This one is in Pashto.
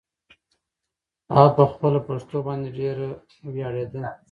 هغه په خپله پښتو باندې ډېره ویاړېده.